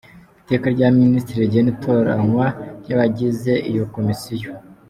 Iteka rya Minisitiri rigena itoranywa ry’abagize iyo komisiyo.